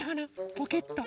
ポケット。